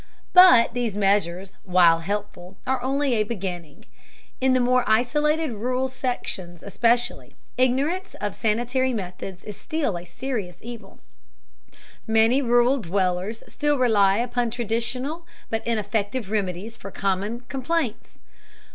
But these measures, while helpful, are only a beginning. In the more isolated rural sections especially, ignorance of sanitary methods is still a serious evil. Many rural dwellers still rely upon traditional but ineffective remedies for common complaints.